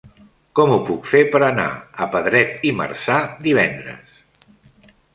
Com ho puc fer per anar a Pedret i Marzà divendres?